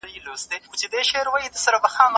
ډېر اروپايي نظرونه ترې راوتلي.